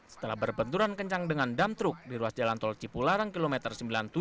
setelah berbenturan kencang dengan dam truk di ruas jalan tol cipularang kilometer sembilan puluh tujuh